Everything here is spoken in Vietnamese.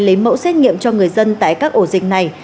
lấy mẫu xét nghiệm cho người dân tại các ổ dịch này